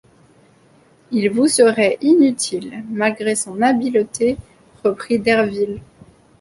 Il vous serait inutile, malgré son habileté, reprit Derville.